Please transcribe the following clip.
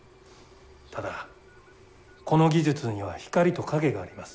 ただこの技術には光と影があります。